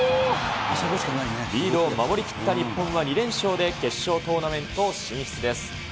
リードを守りきった日本が２連勝で決勝トーナメント進出です。